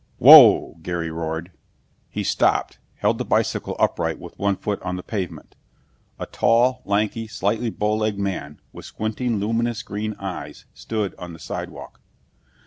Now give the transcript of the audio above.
"Whoa!" Gary roared. He stopped, held the bicycle upright with one foot on the pavement. A tall, lanky, slightly bowlegged man with squinting luminous green eyes stood on the sidewalk.